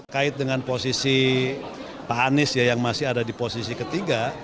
kait dengan posisi pak anies yang masih ada di posisi ketiga